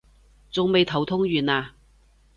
仲未頭痛完啊？